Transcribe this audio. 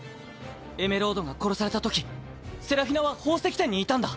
エメロードが殺されたときセラフィナは宝石店にいたんだ。